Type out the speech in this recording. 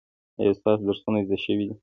ایا ستاسو درسونه زده شوي دي؟